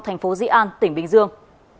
thành phố dĩ an tỉnh bình dương